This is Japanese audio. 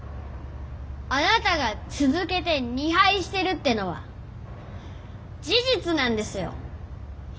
あなたが続けて「２敗」してるってのは「事実」なんですよ。